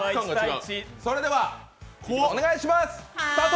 それではお願いします。